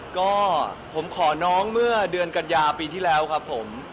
ก็ผมขอน้องเมื่อเดือนกัญญาปีที่แล้วครับผม